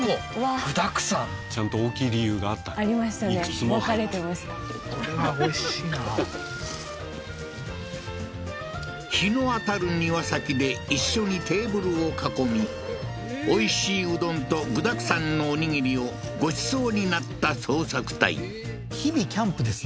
具だくさんちゃんと大きい理由があったんだありましたね分かれてました日の当たる庭先で一緒にテーブルを囲みおいしいうどんと具だくさんのおにぎりをごちそうになった捜索隊日々キャンプですね